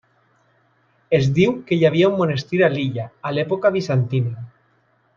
Es diu que hi havia un monestir a l'illa, a l'època bizantina.